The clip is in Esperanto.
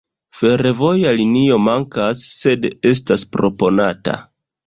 Fervoja linio mankas, sed estas proponata.